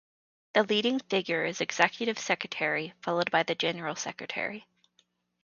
The leading figure is the Executive Secretary, followed by the General Secretary.